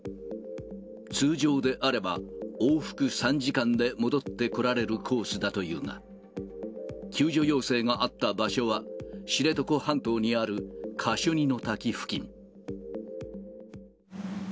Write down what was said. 通常であれば往復３時間で戻ってこられるコースだというが、救助要請があった場所は、知床半島にあるカシュニの滝付近。